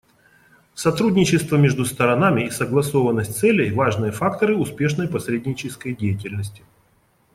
Сотрудничество между сторонами и согласованность целей — важные факторы успешной посреднической деятельности.